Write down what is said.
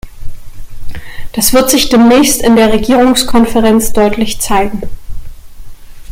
Das wird sich demnächst in der Regierungskonferenz deutlich zeigen.